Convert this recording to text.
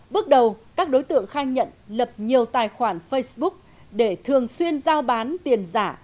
bước đầu các đối tượng khai nhận lập nhiều tài khoản facebook để thường xuyên giao bán tiền giả